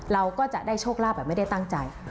เราก็จะได้โชคลาภแบบไม่ได้ตั้งใจ